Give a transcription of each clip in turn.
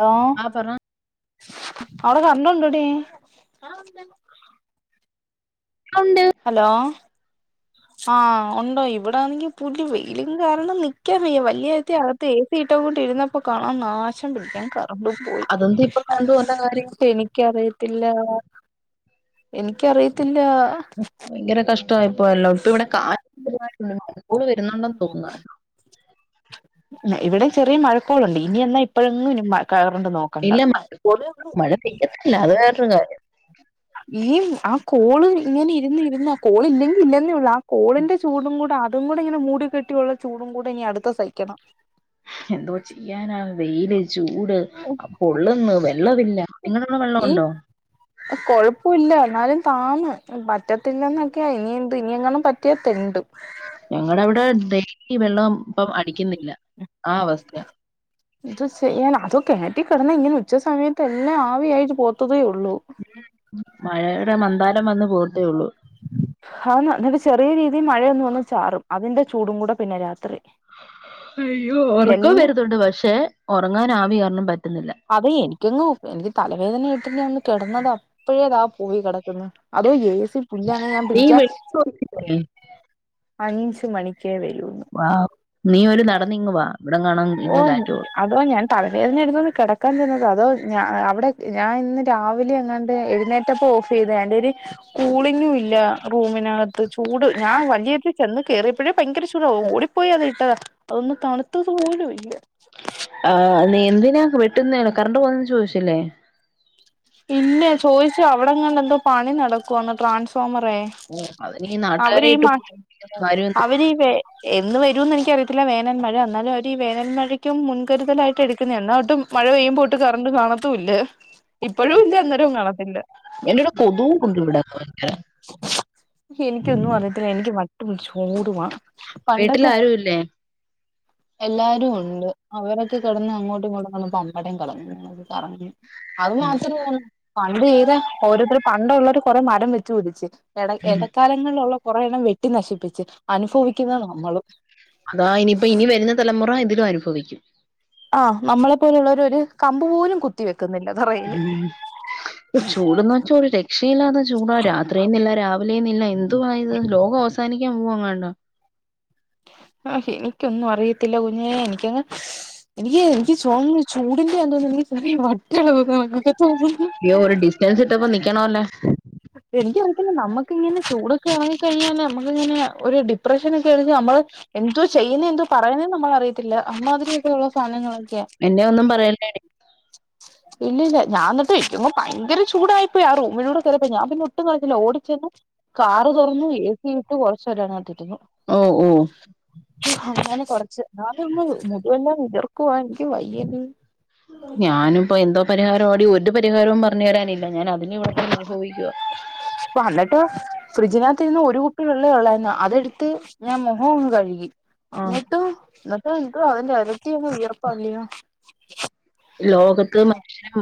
ഹ ആഹ് പറ [unintelligible] ഒന്നുണ്ടടി ഉ ഹലോ! ആഹ ഉണ്ടോ ഇവിടാണെങ്കി പുല്യ വെയിലും കാരണം നിക്കാൻ വയ്യ വല്യരാത്തി അകത്ത് എ സി ഇട്ട കൊണ്ട് ഇരുന്നപ്പോൊ കാണാൻ നാശം പിടിക്കാൻ കറണ്ടും പോയി അതൊന്നും ഇപ്പൊ കണ്ടു വന്ന കാര്യം എനിക്കറിയത്തില്ല എനിക്കറിയത്തില്ല ഭയങ്കര കഷ്ടായിപ്പോല്ലോ ഇപ്പൊ ഇവിടെ കാ കോള് വരുന്നുണ്ടെന്ന് തോന്നുന്ന് ഇവിടെ ചെറിയ മഴക്കോളുണ്ട് ഇനി എന്നാ ഇപ്പഴങ്ങും ഇ മഴ കറണ്ട് നോക്കണ്ട ഇല്ല [inaudible] മഴക്കോള് മഴ പെയ്യത്തില്ല അത് വേറൊരു കാര്യം ഈ ആ കോള് ഇങ്ങനെ ഇരുന്ന് ഇരുന്ന് ആ കോളില്ലെങ്കി ഇല്ലെന്നെ ള്ളു ആ കോളിന്റെ ചൂടും കൂടി അതും കൂടി ഇങ്ങനെ മൂടി കെട്ടിയുള്ള ചൂടും കൂടെ ഇനി അടുത്തെ സഹിക്കണം [inaudible] എന്തോ ചെയ്യാനാ വെയില് ചൂട് പൊള്ളുന്നു വെള്ളമില്ല നിങ്ങളുടെ അവിടെ വെള്ളം ഈ ഉണ്ടോ കൊഴപ്പില്ല എന്നാലും താന്ന് [inaudible] പറ്റത്തില്ലെന്നൊക്കെയാ ഇനി ഇനിയെങ്ങാനും പറ്റിയ തെണ്ടും ഞങ്ങളുടെ അവിടെ ഡെയിലി വെള്ളം ഇപ്പം അടിക്കുന്നില്ല ആ അവസ്ഥയാ എന്ത് ചെയ്യാനാ [unintelligible] ഉച്ച സമയത്ത് എല്ലാം ആവി ആയിട്ട് പോവത്തതെഉള്ളൂ മഴയുടെ മന്ദാലം വന്ന് പോകത്തേ ഉള്ളൂ ആന്ന് എന്നിട്ട് ചെറിയ രീതിയി മഴയൊന്ന് വന്ന് ചാറും അതിന്റെ ചൂടും കൂടെ പിന്നെ രാത്രി അയ്യോ ഒറക്കം എല്ലാം വരുന്നുണ്ട് പക്ഷെ ഒറങ്ങാൻ ആവി കാരണം പറ്റുന്നില്ല അതെ എനിക്കങ്ങ് എനിക്ക് തലവേദന എടുത്ത് ഞാ കിടന്നത് അപ്പൊഴേ ദാ പോയി കിടക്കുന്നു അതോ ഏ സി [unintelligible] ഞാൻ നീ പിടിക്കാൻ വെളിച്ചം അഞ്ച് മണിക്കേ വരോന്ന് വാ നീ ഒരു നടന്നിങ്ങ് വാ ഇവിടെങ്ങാണം ഓ ഇന്ന് കാറ്റ് കൊള്ളും അതാ ഞാൻ തലവേദന എടുത്തോണ്ട് കിടക്കാൻ ചെന്നതാ അതോ ഞ അവിടെ ഞാൻ ഇന്ന് രാവിലെ അങ്ങാണ്ട് എഴുന്നേറ്റപ്പ ഓഫ് ചെയ്ത [unintelligible] കൂളിങ്ങും ഇല്ല റൂമിനകത്ത് ചൂട് ഞാൻ [unintelligible] ചെന്ന് കേറിയപ്പഴേ ഭയങ്കര ചൂടാ ഓടിപ്പോയി അത് ഇട്ടതാ അതൊന്ന് തണുത്തത് പോലുഇല്ല ആഹ് നീ എന്തിനാ വെട്ടുന്നേ കറണ്ട് പോന്നന്ന് ചോദിച്ചില്ലേ ഇല്ലെ ചോദിച്ചു അവിടെങ്ങാണ്ട പണി നടക്കുവാണ് ട്രൻസ് ഓ, അതിന് ഈ [unintelligible] അവര് നാട്ടുകാരെ ഈ ഇട്ട് മ കാര്യം എന്താ അവരീ വേ എന്നു വരൂന്ന് എനിക്കറിയത്തില്ല വേ വേനൽ മഴ വന്നാലും അവരീ വേനൽ മഴക്കും മുൻ കരുതലായിട്ട് എടുക്കുന്നെയാ എന്നാ ഒട്ടും മഴ പെയ്യുമ്പോ ഒട്ടും കറന്റും കാണ ത്തു ഇല്ല ഇപ്പോഴും ഇല്ല അന്നേരവും കാണത്തില്ല എന്റെടെ കൊതുവും ഉണ്ട് ഇവിടെ ഭയങ്കര എനിക്കൊന്നും അറിയത്തില്ല എനിക്ക് വട്ട് പിടിച്ച് ഓടുവാ വീട്ടിൽ പണ്ടക്ക ആരും ഇല്ലേ എല്ലാരും ഉണ്ട് അവരൊക്കെ കിടന്ന് അങ്ങോട്ടും ഇങ്ങോട്ടും [unintelligible] കറ അത് മാത്രം [unintelligible] പണ്ട് ചെയ്ത ഓരോരുത്തര് പണ്ട് ഉള്ളോര് കൊറെ മരം വെച്ച് പിടിച്ച് എട എടക്കാലങ്ങളിലുള്ള കൊറേ എണ്ണം വെട്ടി നശിപ്പിച്ച് അനുഭവിക്കുന്ന നമ്മളും അതാ ഇനിയിപ്പോ ഇനി വരുന്ന തലമുറ ഇതിലും അനുഭവിക്കും ആഹ് നമ്മളെ പോലുള്ളവര് ഒരു കമ്പ് പോലും കുത്തി വെക്കുന്നില്ല തറയില് ഓഹ് ചൂടന്ന് വെച്ചാ ഒരു രക്ഷയില്ലാത്ത ചൂടാ രാത്രിന്നില്ല രാവിലെയന്നില്ല എന്തുവാ ഇത് ലോകം അവസാനിക്കാൻ പോവങ്ങാണ്ടാ [unintelligible] ഇൻക്കൊന്നും അറിയ ത്തില്ല കുഞ്ഞേ എനിക്കങ്ങ് എനിക്ക് എനിക്ക് [unintelligible] ചൂടിന്റെ ആണെന്ന് തോന്നുന്നു ഈ. എടി വട്ടാണെന്ന് [unintelligible] തോന്നുന്നു, അയ്യോ ഒരു ഡിസ്റ്റൻസ് ഇട്ടപ്പോ നിക്കണോല്ലേ എനിക്കറിയത്തില്ല നമുക്ക് ഇങ്ങനെ ചൂടൊക്കെ ആ കഴിഞ്ഞല് നമ്മളിങ്ങനെയാ. ഒരു ഡിപ്രഷനൊക്കെ അടിച്ച് നമ്മൾ എന്തോ ചെയ്യുന്നെ എന്തോ പറയുന്നെ നമ്മൾ അറിയത്തില്ല അമ്മാതിരിയൊക്കെ ഉള്ള സാധനങ്ങളൊക്കെ എന്നെ ഒന്നും പറയല്ലേടി ഇല്ലില്ല. [unintelligible] ഭയങ്കര ചൂടായിപ്പോയി ആ റൂമിലൂടെ ക അപ്പൊ ഞാൻ പിന്നെ ഒട്ടും കളിച്ചില്ല ഓടിച്ചെന്ന് കാറ് തുറന്നു എസി ഇട്ട്. സ്വരയാണ് ആദ്യം. ഓഹ് ഓഹ് അങ്ങനെ കൊറച്ച് ആദ്യം ഒന്ന്. [unintelligible] ഞാനിപ്പോ എന്തോ പരിഹാരയടി ഒരു പരിഹാരവും പറഞ്ഞു തരാനില്ല ഞാൻ അതിലും ഇവിടെ കിടന്ന് അനുഭവിക്കുവാ. ഒരുതുള്ളിയെ ഉള്ളായിരുന്നു അതെടുത്ത് ഞാൻ മുഖമൊന്ന് കഴുകി, എന്നിട്ട് ആഹ് എന്നിട്ട് എന്തുവാ അതിൻ്റെ ഇരട്ടി അങ്ങ് വിയർ [unintelligible] [unintelligible] ഓ ലോകത്ത് മനുഷ്യന്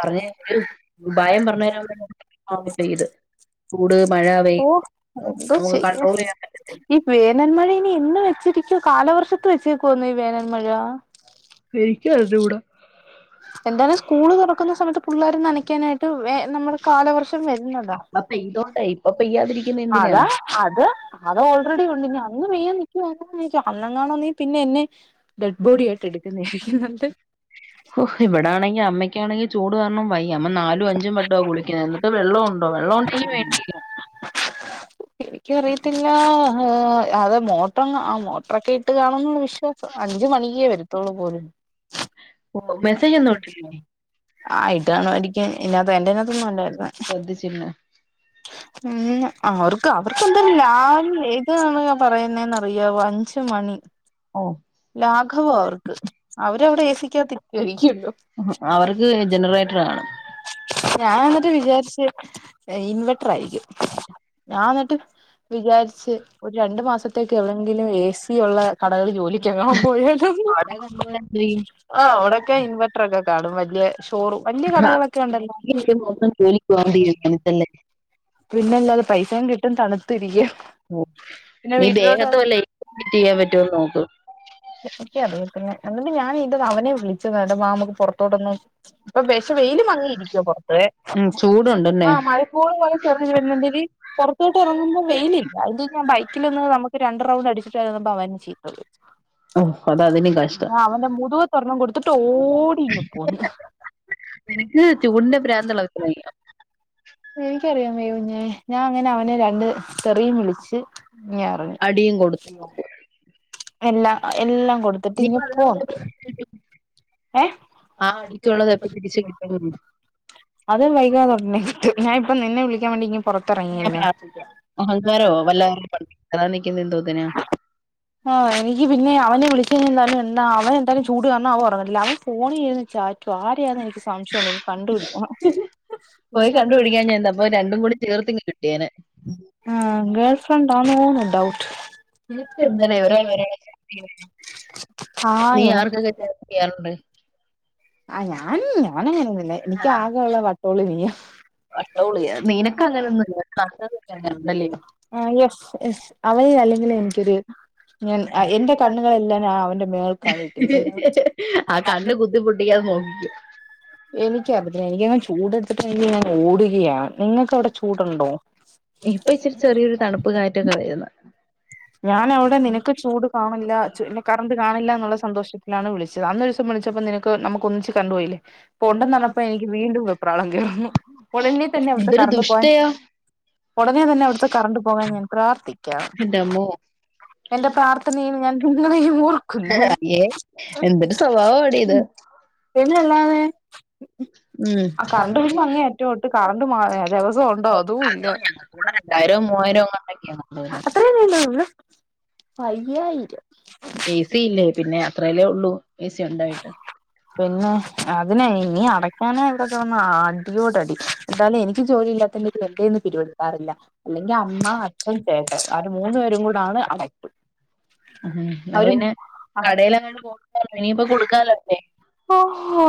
പറഞ്ഞ ഒരു ഉപായം പറഞ്ഞു തരാൻ പറ്റും. പെയ്ത് ചൂട് മഴ വെയി എന്തോ നമുക്ക് ചെയ്യാൻ കൺട്രോൾ പറ്റും ഈ വേനൽമഴ ഇനി എന്ന് വെച്ചിരിക്ക ഇത് കാലവർഷത്ത് വെച്ചേക്കുവാന്നേ ഈ വേനൽമഴ. എനിക്കും അറിഞ്ഞുകൂടാ. എന്താണ് സ്കൂള് തുറക്കുന്ന സമയത്ത് പൂ പിള്ളേര് നനയ്ക്കാൻ ആയിട്ട് വേ നമ്മൾ കാലവർഷം വരുന്നതാ ഇപ്പ പെയ്തോട്ടെ ഇപ്പൊ പെയ്യാതിരിക്കുന്ന എന്തിനാ അതാ അത് അത് ഓൾറെഡി ഉണ്ട് ഇനി അന്ന് പെയ്യാൻ നിക്കുവ എനിക്ക് അന്നെങ്ങാനും നീ പിന്നെ എന്നെ. ഡെഡ് ബോഡിയായിട്ട് എടുക്കുന്നരിക്കും. ഇവിടാണെങ്കിൽ അമ്മയ്ക്കാണെങ്കിൽ ചൂട് കാരണം വയ്യ അമ്മ നാലും അഞ്ചും വട്ടവാ കുളിക്കുന്നത്, എന്നിട്ട് വെള്ളം ഉണ്ടോ വെള്ളം ഉണ്ടെങ്കിൽ വേണ്ടില്ല. എനിക്കറിയത്തില്ല. അതെ മോട്ടോന്ന് ആ ഇത്രയ്ക്കെട്ട് കാണുന്നുള്ള വിശ്വാസം അഞ്ച് മണിക്കുവരും. തോളുപോര് ഓ മെസ്സേജ് ഒന്നും മെസ്സേജൊന്നും ഇട്ടിട്ടില്ലേ ഇട്ടില്ലേ ആ ഇടനോരിക്കാൻ ഇതിനകത്ത് എന്റെനകത്തൊന്നും അല്ല ഇടുന്നെ ശ്രദ്ധിച്ചില്ല മ് അവർക്ക് അവർക്കന്തെ ഏതാണ് പറയുന്നെന്ന് എന്ന് അറിയാവോ അഞ്ച് മണി ഓ ലാഘവാ അവർക്ക് അവരവിടെ എ സി ക്കാതത്ത് അവർക്ക് ജനറേറ്റർ കാണും ഞാൻ എന്നിട്ട് വിചാരിച്ച് ഇൻവെർട്ടർ ആയിരിക്കും ഞാൻ എന്നിട്ട് വിചാരിച്ച് ഒരു രണ്ടു മാസത്തേക്ക് എവിടെങ്കിലും എ സി ഉള്ള കടകളിൽ ജോലിക്ക് എങ്ങാനം പോയാലോന്ന് ആ അവിടെ ഇക്ക ഇൻവെർട്ടർ അല്ലെ കാട്ടിലും വലിയ സ്റ്റോർ വലിയ കടകളൊക്കെ ഉണ്ടല്ലോ ജോലിക്ക് പോകാൻ തീരുമാനിച്ചല്ലേ പിന്നെല്ലാതെ പൈസയും കിട്ടും തണുത്ത് ഇരിക്കും പിന്നെ നീ വീട്ടിലോട്ട് ദേഹത്ത് വല്ല ചെയ്യാൻ പറ്റുമോന്ന് നോക്ക് എനിക്ക് അറിയത്തില്ല എന്നിട്ട് ഞാൻ ഇത് അവനെ വിളി നെടുമ പുറത്തോട്ടൊന്ന് ഇപ്പൊ [unintelligible] വെയിൽ മങ്ങി ഇരിക്കുവോ പുറത്ത് ഉം ചൂടുണ്ടല്ലേ ആ മഴക്കോളൂ പോലെ ചെറിയ പുറത്തോട്ട് ഇറങ്ങുമ്പോ വെയിലില്ല അതിന്റെ ഞാൻ ബൈക്കിൽലൊന്ന് നമുക്ക് രണ്ട് റൗണ്ട് അടിച്ചിട്ടായി അവൻ എന്നെ ചീത്തവിളിച്ച് ഓഹ് അത് അതിനും കഷ്ടം ആ അവന്റെ മുതുകത്ത് ഒരണ്ണം കൊടുത് എന്നിട്ട് ഓടി ഇങ്ങ് പോന്ന് [inaudible] നിനക്ക് ചൂടിന്റെ പ്രാന്തുള്ള കൊച്ചിനായിരിക്കും എനിക്കറിയാൻ വയ്യ കുഞ്ഞേ ഞാൻ അങ്ങനെ അവനെ രണ്ട് തെറിയും വിളിച്ച് ഞാൻ അറിഞ്ഞ് എന്താ നീ പോന്ന് തിരിച്ച് കിട്ടും അത് വൈകാതെ തന്നെ കിട്ടും ഞാൻ ഇപ്പേ നിന്നെ വിളിക്കാൻ വേണ്ടി പുറത്തിറങ്ങിയല്ലേ അഹങ്കാരോ വല്ലവരുടെയും പള്ളി കേറാൻ നിക്കുന്നെ എന്തോത്തിനാ ആ എനിക്ക് പിന്നെ അവനെ വിളിച്ച് കഴിഞ്ഞാൽ അവൻ എന്തായാലും ചൂട പ്രവർലാവാ ഫോണിൽ ചാറ്റുവാ ആരെ ആ എന്ന് എനിക്ക് സംശയം ഉണ്ട് കണ്ടുപിടിക്കണം പോയി കണ്ടുപിടിക്കാഞ്ഞെന്താ അപ്പൊ രണ്ടും കൂടി ചേർത്തിങ്ങ് കിട്ടിയേനെ ഗേൾഫ്രണ്ട് ആണോ ഡൗട്ട് നിനക്ക് എന്തടെ എന്തിനാ ഒരാ [unintelligible] ആ ക്ലിയർ ഉണ്ട് ആ ഞാൻ ഞാനങ്ങനെയൊന്നും മില്ല എനിക്ക് ആകെയുള്ള വട്ടോള് മിനി വട്ടോളിയാ നിനക്ക് അങ്ങനൊന്നും ഇല്ല കണ്ടല്ലയോ ആ യെസ് യെസ് അവൾ അല്ലെങ്കിലും എനിക്കൊരു ഞാൻ എന്റെ കണ്ണുകളെല്ലാം ഞാൻ അവന്റെ മേൾക്ക് ഇട്ടിരിക്കുന്നത് ആ കണ്ണ് കുത്തി പൊട്ടിക്കാതെ നോക്കിക്കും എനിക്ക് അവിടെ അങ്ങ് എനിക്ക് ചൂടെടുത്തിട്ട് ഞാൻ ഓടുകയാ നിങ്ങക്കവിടെ ചൂടുണ്ടോ ഇപ്പൊ ഇച്ചിരി ചെറിയൊരു തണുപ്പ് കാറ്റൊക്കെ വരുന്ന് ഞാൻ അവിട നിനക്ക് ചൂട് കാണില്ല ഇന്ന് കറണ്ട് കാണില്ല എന്നുള്ള സന്തോഷത്തിലാണ് വിളി അന്നൊരു ദിവസം വിളിച്ചപ്പോ നിനക്ക് നമുക്ക് ഒരുമിച്ച് കറണ്ടു പോയില്ലേ പോണ്ടെന്നറിഞ്ഞപ്പോ എനിക്ക് വീണ്ടും വെപ്രാളം കേറുന്നു ഒടനെ തന്നെ അവിടുത്തെ എന്തൊരു കറണ്ട് പോവാൻ ദുഷ്ടയാ ഒടനെ തന്നെ അവിടുത്തെ കറണ്ട് പോവാൻ ഞാൻ പ്രാർത്ഥിക്കാം [unintelligible] എന്റെ പ്രാർത്ഥനയിൽ ഞാൻ നിങ്ങളെയും ഓർക്കുന്നു എന്തൊരു സ്വഭാവോടി ഇത് പിന്നല്ലാതെ ഉം ആ കറണ്ട് ബില്ല് അങ്ങേയറ്റാ ഒട്ടും കറണ്ട് മാ ദിവസോം ഒണ്ടോ അതും ഇല്ല രണ്ടായിരോ മൂവായിരോ അങ്ങാണ്ടൊക്കെയാണ് തോന്നുന്നു [unintelligible] അയ്യായിരം എ സി ഇല്ലേ പിന്നെ അത്രയല്ലേ ഉള്ളൂ എ സി ഉണ്ടായിട്ട് പിന്നെ അതിനെ ഇനി അടക്കാന അവിടെ കിടന്ന് ആ അടിയോടടി എന്താലും എനിക്ക് ക്ക് ജോലി ഇല്ലാത്തോണ്ട് പിന്നെ എന്റേന്ന് [unintelligible] ഇല്ല അല്ലെങ്കി അമ്മ അച്ഛൻ ചേട്ടൻ കാരണം മൂന്നു പേരും കൂടാണ് അവിടെ. ഉം അപ്പൊ പിന്നെ കടയിലങ്ങാണ്ട് കൊടുക്കാലോ ഇനിയിപ്പോ കൊടുക്കാലോ അല്ലേ ഓ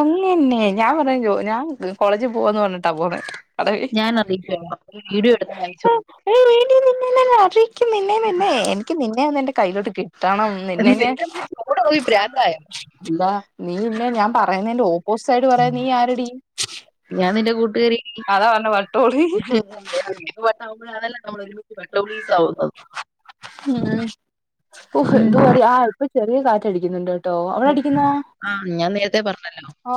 അങ്ങന്നെ ഞാൻ പറഞ്ഞോ ഞാൻ കോളേജിൽ പോവാന്ന് പറഞ്ഞിട്ടാ പോന്ന്. ഞാൻ അറിയിക്കാം വീഡിയോ എടുത്ത് അയച്ചു [unintelligible] [unintelligible] കറി ക്ക് നിന്നെ നിന്നെ എനിക്ക് നിന്നെ ഒന്ന് എന്റെ കയ്യിലോട്ട് കിട്ടണം നിന്നെ ഞാൻ കൂടെ പോയി പ്രാന്തായോ എന്താ നീ നിന്നെ ഞാൻ പറയുന്നേന്റെ ഓപ്പോസിറ്റ് സൈഡ് പറയാൻ നീയാരെടീ ഞ ഞാൻ നിന്റെ കൂട്ടുകാരി അതാ പറഞ്ഞ് വട്ടോളി വട്ടാകുമ്പോഴാണല്ലോ നമ്മൾ ഒരുമിച്ച് ഡോക്സ് വട്ടൊളീസാവുക ആവുന്നത് ഉം ഓ ഹെന്തു വെറി ആ പ ചെ ഈ കാറ്റടിക്കുന്നുണ്ട് ട്ടോ അവിടെടിക്കുന്ന ആ ഞാൻ നേരത്തെ പറഞ്ഞല്ലോ ആ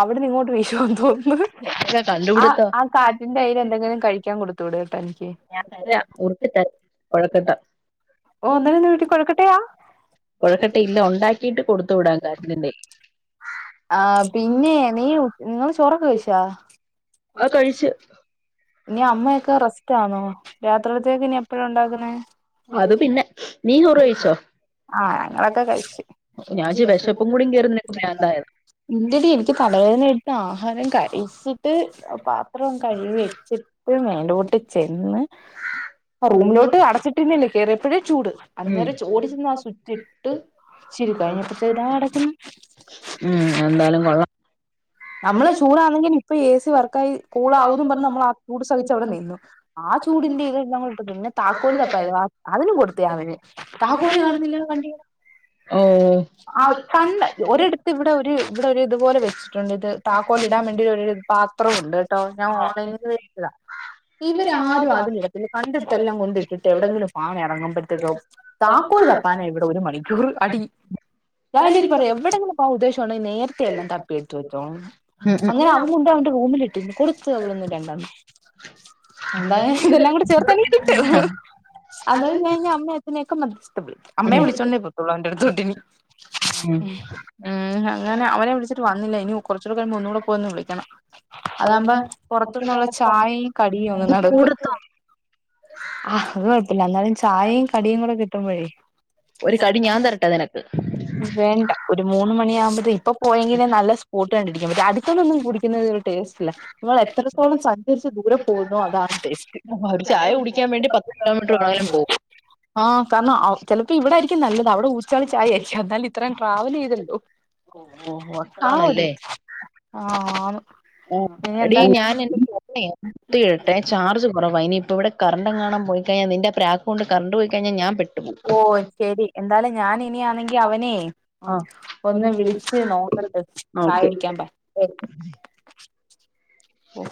അവിട്ന്ന്ങ്ങോട്ട് വീശ് ന്തോന്ന് ഒക്കെ ആ കണ്ടുപിടുത്തോ ആ കാറ്റിന്റെ അയ്ൽ എന്തെങ്കിലും കഴിക്കാൻ കൊടുത്തൂട്. [unintelligible] ഞാൻ തരാം ഉറ്ട്ട് തെ ഓ ന്നിട്ട് കൊഴക്കെട്ടയാ? കൊഴക്കട്ട ഇല്ല ഉണ്ടാക്കിയിട്ട് കൊടുത്തു വിടാൻ കാറ്റിന്റെ ആഹ് പിന്നെ നീ ങ്ങള് ചോറൊക്കെ കയ്ചോ? ആ കഴിച്ച് ഇനി അമ്മയൊക്കെ റസ്റ്റാണോ രാത്രിലത്തേക്ക് ഇനി എ എപ്പഴാ ഉണ്ടാക്കുന്നെ അത് പിന്നെ കഴിച്ചോ ആ ഞങ്ങൾ ഒക്കെ കഴിച്ച് ഞാൻ വിചാരിച്ചു വിശപ്പും കൂടി കേറി നിനക്ക് ഭ്രാന്തായെന്ന് ഇല്ലെടി എനിക്ക് തലവേദന എടുത്ത് ആഹാരം ക ഇസിഡ്പാത്രം കഴുകി വെച്ചിട്ട് മേലോട്ട് ചെന്ന് ആ റൂമിലോട്ട് അടച്ചിട്ടിരുന്നില്ലേ കേയറിയപ്പോഴേ ചൂട് ഉം അന്നേരം ഓ ടിച്ചെന്ന് ആ സുച്ഛ് ഇട്ട് ഇച്ചിരി കഴിഞ്ഞപ്പോഴത്തേ താ കിടക്കുന്നു ഉം എന്തായാലും കൊള്ളാം നമ്മള് ചൂടാണെങ്കിൽ ഇപ്പൊ എ സി നമ്മൾ നമ്മൾ ചൂടങ്കിൽ ഇപ്പൊ എസി വർക്കായി കൂളാവും പറഞ്ഞ് നമ്മൾ ആ ചൂട് സഹിച്ച അവിടെ നിന്നു ആ ചൂടിന്റെ ഇത്ൽ നമ്മൾ പിന്നെ താക്കോലി തപ്പായത് അതിനും കൊടുത്തിയാ അവന് താക്കോലി കാണുന്നില്ല വണ്ടി ഓ ഒരിടത്ത് ഇവിടെ ഒരു ഇവിടെ ഒരു ഇത്പോലെ വെച്ചിട്ടുണ്ട് ഇത് താക്കോൽ ഇടാൻ വേണ്ടി ഒരു പാത്രണ്ട് കേട്ടോ ഞാൻ ഓൺലൈനിൽന്ന്വരുത്തിയതാ ഇവരാരും അതിലടത്തി കണ്ടത്തെല്ലാം കൊണ്ട ഇട്ടിട്ട് എവിടെയങ്കിലും പോകാൻ ഇറങ്ങുമ്പഴേക്കും താക്കോൽ തപ്പാന ഇവിടെ ഒരു മണിക്കൂർ അടി ഞാൻ ഇനി പറഞ്ഞു എവിടെങ്കിലും പോകാൻ ഉദ്ദേശിക്കുണ്ടകിൽ നേരത്തെ എല്ലാം തപ്പിയടുത് ഉം ഉം അങ്ങനെ അവൻ കൊണ്ട് അവന്റെ റൂമിലിട്ടിന്ന് കൊടുത്തു അവവിടെന്ന് രണ്ടണ്ണം എന്താ ഇതെല്ലാം കൂടി ചെറുകനെ കിട്ടും അത്കഴിഞ് അമ്മയഛനെയൊക്കെ അമ്മയേ ഉം വിളിച്ചോണ്ടേ പോത്തുള്ളു അവന്റടുതൊട്ടിനി ഉം [unintelligible] ഉം അങ്ങനെ അവരെ വിളിച്ചിട്ട് വന്നില്ല ഇനി കുറച്ചൂടെ കഴ ഒന്ന കൂടെ പോയിന്ന് വിളിക്കണം അതാകുമ്പോ അതാകുമ്പ പുറത്തുന്നുള്ള പുറത്തന്നള്ള ച [unintelligible] കുടക്ക ആ അത് കൊഴപ്പില്ല എന്നാലും ചായയും കടിയും കൂടെ കിട്ടുമ്പോഴേ ഒരു കടി ഞാൻ തരട്ടെ നിനക്ക് വേണ്ട ഒരു മൂന്ന് മണിയ ആകുമ്പോത്ത ഇപ്പൊ പോയെങ്കിലേ നല്ല സ്പോട്ട് കണ്ടു പിടിക്കാൻ പറ്റൂ മറ്റേ അടുത്തൊന്നും കുടിക്കുന്നത് ല്ല നിൾ എത്രത്തോളം സഞ്ചരിച്ച് ദൂരെ പോകുന്നു അതാണ് ടെസ്റ്റ്‌ ഒരു ചായ കുടിക്കാൻ കുടി വേണ്ടി പത്ത് കിലോമീറ്റർ വേണേലും പോകും [unintelligible] കാരണം ചിലപ്പോ ഇവിടെയിരിക്കും നല്ലത് അവിടെ ഊച്ചാളി ചായയായിരിക്കും എന്നാലും ഇത്രയും ട്രാവൽ ചെയ്തല്ലോ ഓ ആ ഒര് അനു ഓഎടി ഞാൻ എന്റെ ഫോണേ കുത്തി ഇടട്ടെ ചാർജ് കുറവ ഇനി ഇപ്പ ഇവിടെ കറണ്ട് എങ്ങാനും പോയി കഴിഞ്ഞാ നിന്റെ പ്ര ഓ ശെരി എന്താലും ഞാൻ ഇനിയാണെങ്കി അവനേ ഒന്ന് വിളിച്ചു നോക്കട്ട് ആ ഓക്കെ ചായടിക്കാൻ പ ശരി